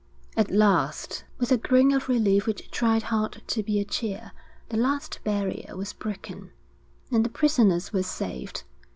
At last! With a groan of relief which tried hard to be a cheer, the last barrier was broken, and the prisoners were saved.